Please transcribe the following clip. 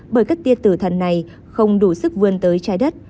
bởi các tia tử thần này không đủ sức vươn tới trái đất